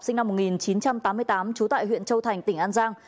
sinh năm một nghìn chín trăm tám mươi tám trú tại huyện châu thành tỉnh an giang